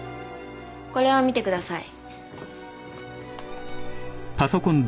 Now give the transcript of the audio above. これを見てください。